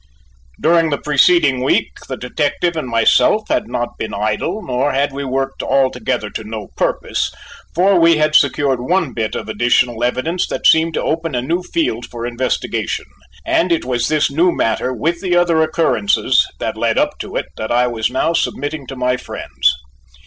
During the preceding week, the detective and myself had not been idle nor had we worked altogether to no purpose, for we had secured one bit of additional evidence that seemed to open a new field for investigation, and it was this new matter with the other occurrences that led up to it that I was now submitting to my friends.